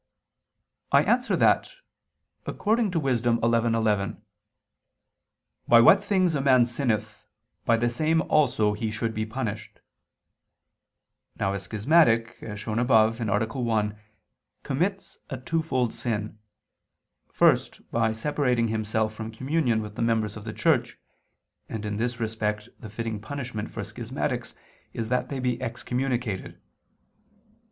I answer that, According to Wis. 11:11, "By what things a man sinneth, by the same also he should be punished" [Vulg.: 'he is tormented']. Now a schismatic, as shown above (A. 1), commits a twofold sin: first by separating himself from communion with the members of the Church, and in this respect the fitting punishment for schismatics is that they be excommunicated.